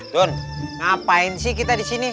don ngapain sih kita di sini